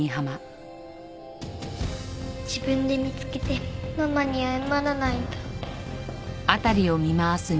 自分で見つけてママに謝らないと。